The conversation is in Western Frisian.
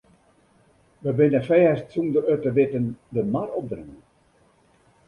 We binne fêst sûnder it te witten de mar opdreaun.